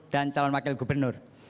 dan calon wakil gubernur